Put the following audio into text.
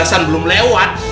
tujuh belas an belum lewat